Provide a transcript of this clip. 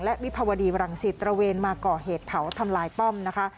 และวิภาวดีรังสิตระเวนมาก่อเหตุเผาทำลายป้อมนะคะ